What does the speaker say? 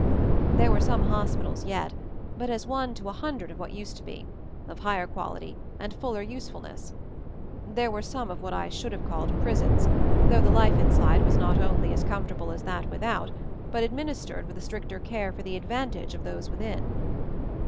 There were some hospitals yet, but as one to a hundred of what used to be, of higher quality, and fuller usefulness. There were some of what I should have called prisons, though the life inside was not only as com fortable as that without, but administered with a stricter care for the advantage of those within.